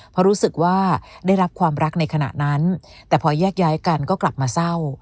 เพราะรู้สึกว่าได้รับความรักในขณะนั้นแต่พอแยกย้ายกันก็กลับมาเศร้า